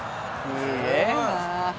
すげえな！